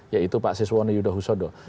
yaitu pak siswone yudho husodo